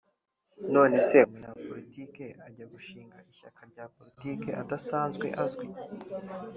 none se umunyapolitiki ajya gushinga ishyaka rya politiki adasanzwe azwi